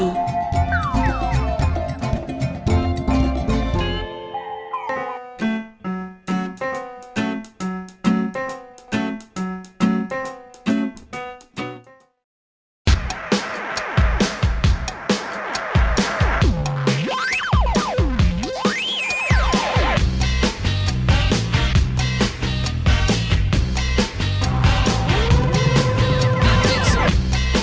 มันน้ำเก๋ปลุกแมสพูดช้านี